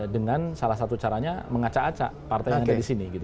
dengan salah satu caranya mengaca aca partai yang ada di sini